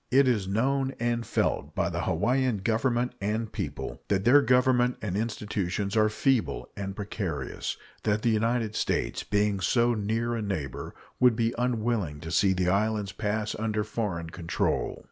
It is known and felt by the Hawaiian Government and people that their Government and institutions are feeble and precarious; that the United States, being so near a neighbor, would be unwilling to see the islands pass under foreign control.